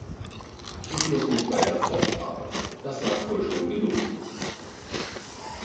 Ich muss nicht weiter fortfahren, das sagt wohl schon genug.